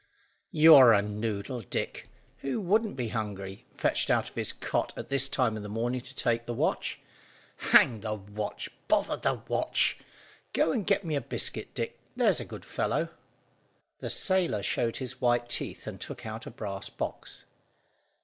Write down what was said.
"You're a noodle, Dick. Who wouldn't be hungry, fetched out of his cot at this time of the morning to take the watch. Hang the watch! Bother the watch! Go and get me a biscuit, Dick, there's a good fellow." The sailor showed his white teeth, and took out a brass box.